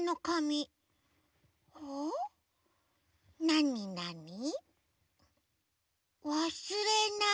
なになに？